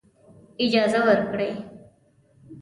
اجازه ورکړي.